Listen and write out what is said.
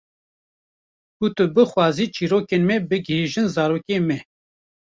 Ku tu bixwazî çêrokên me bigihîjin zarokên me.